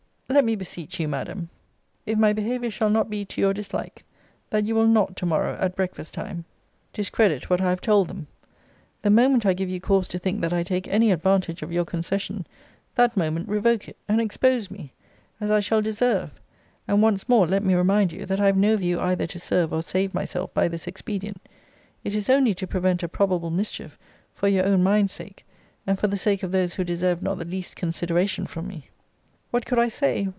] let me beseech you, Madam, if my behaviour shall not be to your dislike, that you will not to morrow, at breakfast time, discredit what I have told them. The moment I give you cause to think that I take any advantage of your concession, that moment revoke it, and expose me, as I shall deserve. And once more, let me remind you, that I have no view either to serve or save myself by this expedient. It is only to prevent a probable mischief, for your own mind's sake; and for the sake of those who deserve not the least consideration from me. What could I say?